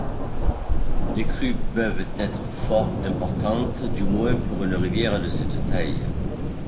Les crues peuvent être fort importantes, du moins pour une rivière de cette taille.